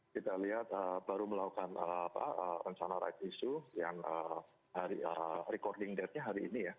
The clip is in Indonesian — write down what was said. kita lihat baru melakukan rencana right issue yang recording deathnya hari ini ya